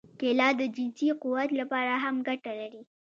کېله د جنسي قوت لپاره هم ګټه لري.